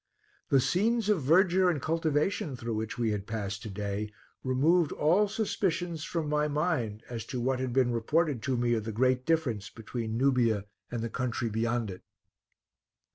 The scenes of verdure and cultivation through which we had passed today, removed all suspicions from my mind as to what had been reported to me of the great difference between Nubia and the country beyond it.